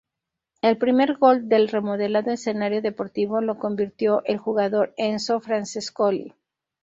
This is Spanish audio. El primer gol del remodelado escenario deportivo lo convirtió el jugador Enzo Francescoli.